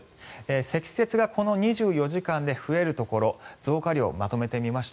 積雪がこの２４時間で増えるところ増加量をまとめて見ました。